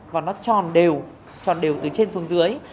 và nó tròn đều tròn đều từ trên xuống dưới